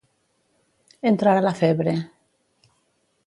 Entrar la febre.